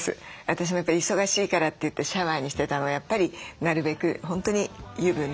私もやっぱり忙しいからといってシャワーにしてたのをやっぱりなるべく本当に湯船。